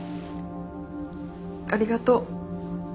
ありがとう。